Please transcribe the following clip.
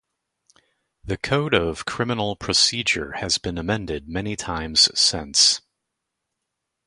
The Code of Criminal Procedure has been amended many times since.